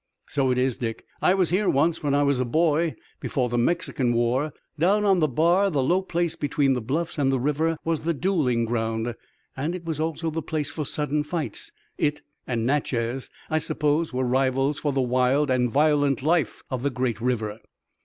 "So it is, Dick. I was here once, when I was a boy before the Mexican war. Down on the bar, the low place between the bluffs and the river, was the dueling ground, and it was also the place for sudden fights. It and Natchez, I suppose, were rivals for the wild and violent life of the great river."